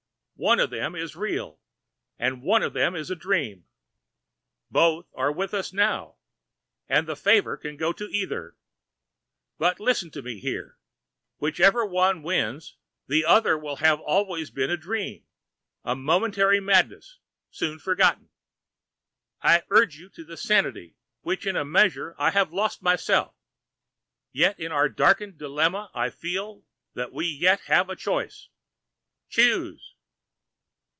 One of them is real and one of them is a dream. Both are with us now, and the favor can go to either. But listen to me here: whichever one wins, the other will have always been a dream, a momentary madness soon forgotten. I urge you to the sanity which in a measure I have lost myself. Yet in our darkened dilemma I feel that we yet have a choice. Choose!"